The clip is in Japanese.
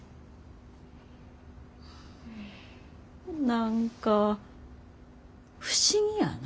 何か不思議やな。